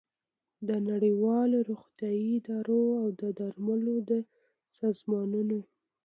د نړیوالو روغتیايي ادارو او د درملو د سازمانونو